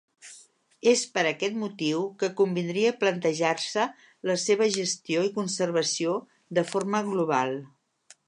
És per aquest motiu que convindria plantejar-se la seva gestió i conservació de forma global.